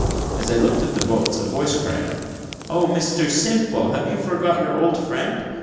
As I looked at the boats, a voice cried out, "Oh, Mr Simple, have you forgot your old friend?